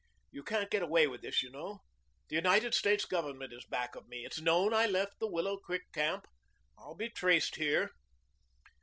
"You can't get away with this, you know. The United States Government is back of me. It's known I left the Willow Creek Camp. I'll be traced here."